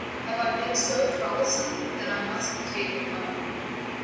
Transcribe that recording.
Have I been so troublesome that I must be taken home?"